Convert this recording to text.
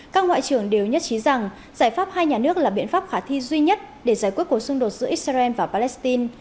các ngoại trưởng đều nhất trí rằng giải pháp hai nhà nước là biện pháp khả thi duy nhất để giải quyết cuộc xung đột giữa israel và palestine